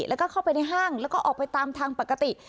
แล้วก็เข้าไปในห้างแล้วก็ออกไปตามทางปกติ